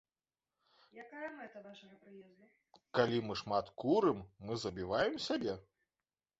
Калі мы шмат курым, мы забіваем сябе?